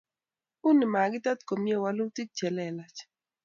uni makitet komye wolutik che lelach